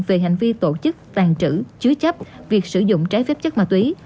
về hành vi tổ chức tàn trữ chứa chấp việc sử dụng trái phép chất ma túy